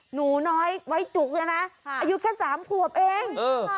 หนูน้อยไว้จุกเลยนะอายุแค่๓ขวบเอง